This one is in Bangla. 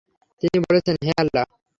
তিনি বলছেন, হে আল্লাহ!